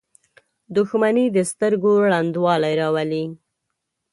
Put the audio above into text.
• دښمني د سترګو ړندوالی راولي.